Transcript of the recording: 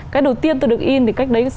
cái đầu tiên tôi được in thì cách đấy